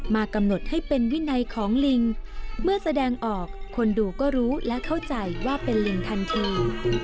มากำหนดให้เป็นวินัยของลิงเมื่อแสดงออกคนดูก็รู้และเข้าใจว่าเป็นลิงทันที